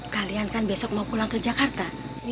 kalian kan besok mau pulang ke jakarta